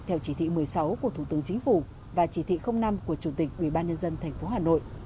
theo chỉ thị một mươi sáu của thủ tướng chính phủ và chỉ thị năm của chủ tịch ubnd tp hà nội